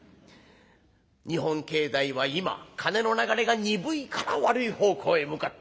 日本経済は今金の流れが鈍いから悪い方向へ向かってる。